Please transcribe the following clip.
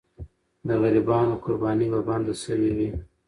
د غریبانو قرباني به بنده سوې وي.